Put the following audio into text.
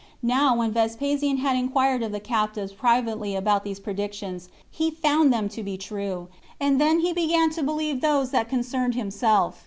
Now when Vespasian had inquired of the captives privately about these predictions, he found them to be true, and then he began to believe those that concerned himself.